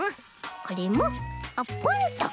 これもあっポンと。